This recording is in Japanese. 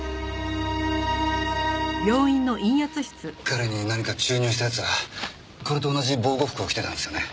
彼に何か注入した奴はこれと同じ防護服を着てたんですよね？